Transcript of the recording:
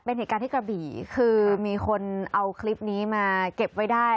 เป็นเหตุการณ์ที่กระบี่คือมีคนเอาคลิปนี้มาเก็บไว้ได้